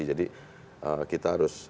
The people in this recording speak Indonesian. jadi kita harus berpikir